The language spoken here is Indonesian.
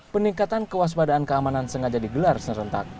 peningkatan kewaspadaan keamanan sengaja digelar serentak